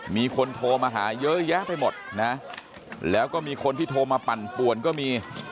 มีคนโทรมาหาเยอะแยะไปหมดนะแล้วก็มีคนที่โทรมาปั่นป่วนก็มี